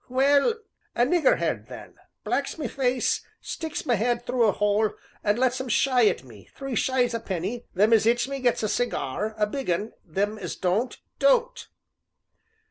"Well a 'Nigger head' then, blacks my face sticks my 'ead through a 'ole, and lets 'em shy at me three shies a penny them as 'its me gets a cigar a big 'un them as don't don't!"